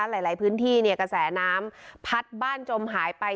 หลายพื้นที่เนี่ยกระแสน้ำพัดบ้านจมหายไป